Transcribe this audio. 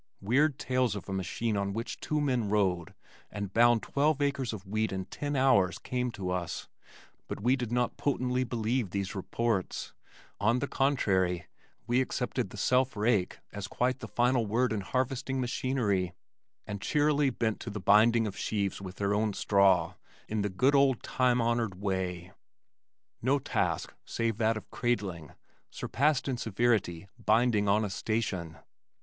Weird tales of a machine on which two men rode and bound twelve acres of wheat in ten hours came to us, but we did not potently believe these reports on the contrary we accepted the self rake as quite the final word in harvesting machinery and cheerily bent to the binding of sheaves with their own straw in the good old time honored way. No task save that of "cradling" surpassed in severity "binding on a station."